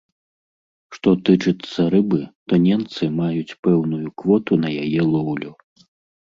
Што тычыцца рыбы, то ненцы маюць пэўную квоту на яе лоўлю.